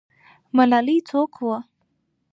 ملالۍ څوک وه؟